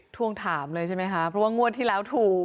ทวงถามเลยใช่ไหมคะเพราะว่างวดที่แล้วถูก